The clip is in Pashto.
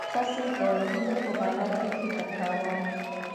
ښځې د هیلو په باره کې فکر کاوه.